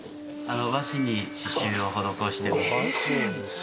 和紙に刺しゅうを施して。